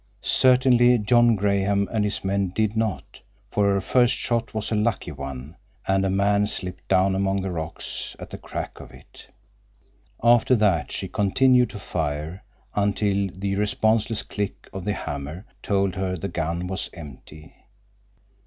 Certainly John Graham and his men did not, for her first shot was a lucky one, and a man slipped down among the rocks at the crack of it. After that she continued to fire until the responseless click of the hammer told her the gun was empty.